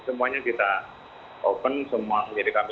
semuanya kita open semua menjadi kami